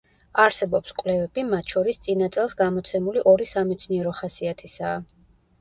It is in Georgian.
არსებობს კვლევები, მათ შორის წინა წელს გამოცემული ორი სამეცნიერო ხასიათისაა.